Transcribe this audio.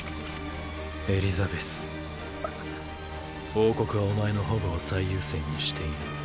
王国はお前の保護を最優先にしている。